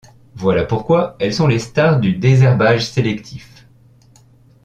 Voilà pourquoi elles sont les stars du désherbage sélectif.